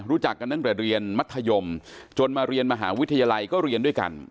รู้จักกันตั้งแต่เรียนมัธยมจนมาเรียนมหาวิทยาลัยก็เรียนด้วยกัน